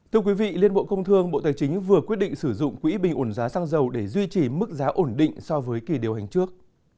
thưa quý vị liên bộ công thương bộ tài chính vừa quyết định sử dụng quỹ bình ổn giá xăng dầu để duy trì mức giá ổn định so với kỳ điều hành trước